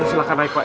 silahkan naik pak